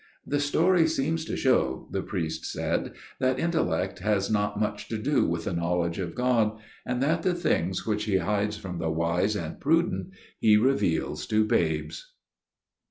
"The story seems to show," the priest added, "that intellect has not much to do with the knowledge of God; and that the things which He hides from the wise and prudent He reveals to babes."